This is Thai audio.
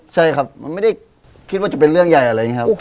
ใช่ครับมันไม่ได้คิดว่าจะเป็นเรื่องใหญ่อะไรอย่างนี้ครับ